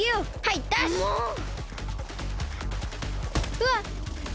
うわっ！